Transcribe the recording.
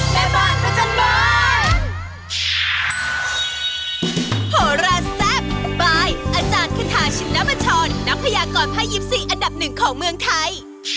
ภายการไลน์มาอัลวิจัย